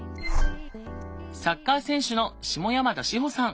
サッカー選手の下山田志帆さん。